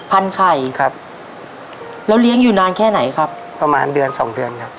ไข่ครับแล้วเลี้ยงอยู่นานแค่ไหนครับประมาณเดือนสองเดือนครับ